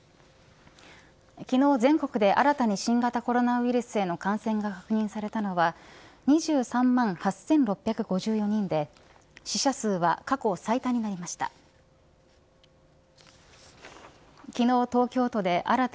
昨日全国で新たに新型コロナウイルスへの感染が確認されたのは２３万８６５４人で死者数は過去最多になりました。